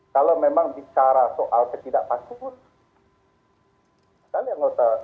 kalau memang bicara soal ketidakpastu pun